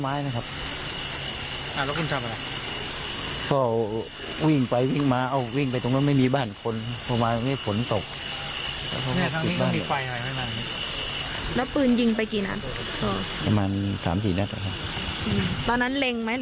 ไม้นะครับอ่ารกยึกทำอะไรก็วิ่งไปวิ่งมาเอาวิ่งไปตรงนั้น